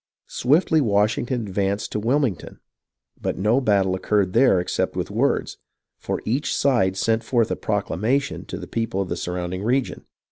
Swiftly Washington ad vanced to Wilmington, but no battle occurred there except with words, for each side sent forth a " proclamation " to the people of the surrounding region.